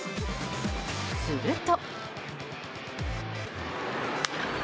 すると。